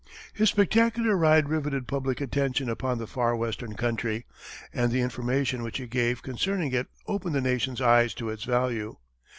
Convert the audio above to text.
His spectacular ride rivetted public attention upon the far western country, and the information which he gave concerning it opened the Nation's eyes to its value.